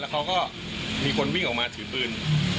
เขาก็มีคนวิ่งออกมาถือปืน